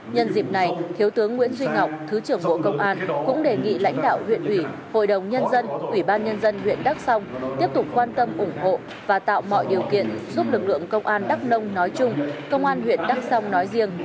nhân dịp này thiếu tướng nguyễn duy ngọc thứ trưởng bộ công an cũng đề nghị lãnh đạo huyện huyện hội đồng nhân dân ubnd huyện đắk sông tiếp tục quan tâm ủng hộ và tạo mọi điều kiện giúp lực lượng công an đắk nông nói chung công an huyện đắk sông nói riêng